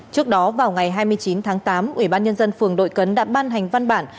trước đó vào ngày hai mươi chín tháng tám ủy ban nhân dân phường đội cấn đã ban hành văn bản